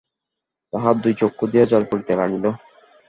তাঁহার দুই চক্ষু দিয়া জল পড়িতে লাগিল।